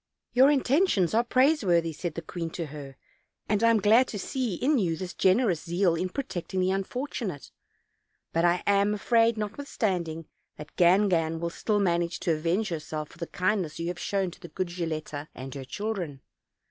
"Your intentions are praiseworthy," said the queen to her, "and I am glad to see in you this generous zeal in protecting the un fortunate; but I am afraid, notwithstanding, that Gangan will still manage to avenge herself for the kindness you have shown to the good Gilletta and her children.